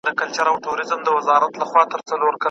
د دغي کوڅې خلک ټول په ټکنالوژۍ کي بوخت دي.